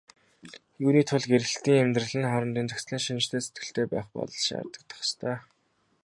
Юуны тулд гэрлэлтийн амьдрал нь хоорондын зохицлын шинжтэй сэтгэлтэй байх болзол шаардагдах ёстой.